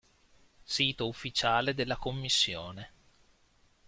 Sito ufficiale della Commissione